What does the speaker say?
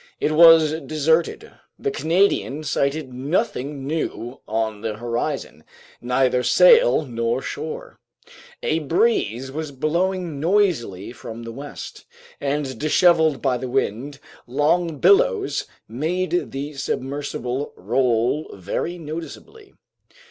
It was deserted. The Canadian sighted nothing new on the horizon, neither sail nor shore. A breeze was blowing noisily from the west, and disheveled by the wind, long billows made the submersible roll very noticeably.